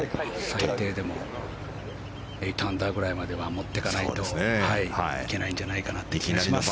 最低でも８アンダーぐらいまでは持っていかないといけないんじゃないかなと思います。